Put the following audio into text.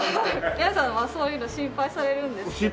皆さんそういうの心配されるんですけれど。